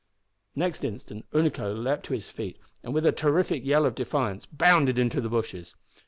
Next instant Unaco leaped to his feet and, with a terrific yell of defiance, bounded into the bushes.